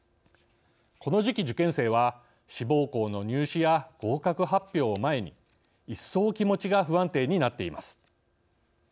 この時期受験生は志望校の入試や合格発表を前に一層気持ちが不安定になっています。